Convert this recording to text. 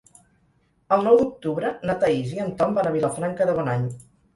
El nou d'octubre na Thaís i en Tom van a Vilafranca de Bonany.